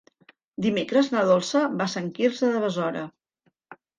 Dimecres na Dolça va a Sant Quirze de Besora.